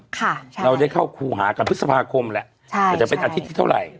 เราได้เข้าครูหากับพฤษภาคมแหละใช่ว่าจะเป็นอาทิตย์ที่เท่าไหร่